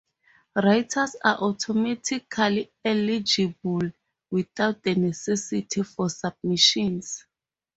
Writers are automatically eligible without the necessity for submissions.